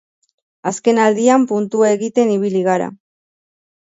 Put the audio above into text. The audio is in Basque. Azken aldian puntua egiten ibili gara.